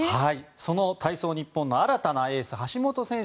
その体操日本の新たなエース、橋本選手